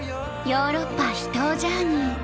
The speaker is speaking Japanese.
「ヨーロッパ秘湯ジャーニー」。